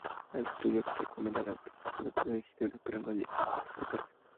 El estudio recomendó la adquisición de tres dirigibles pero no llegó a ejecutarse.